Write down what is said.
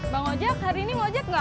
bang ojam hari ini